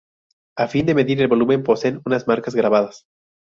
A fin de medir el volumen poseen unas marcas grabadas.